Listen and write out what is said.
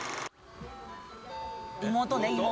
妹ね妹。